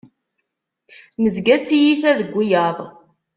Nezga d tiyita deg wiyaḍ.